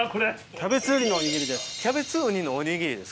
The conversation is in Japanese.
キャベツウニのおにぎりですか。